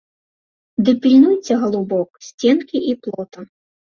Ды пільнуйце, галубок, сценкі і плота.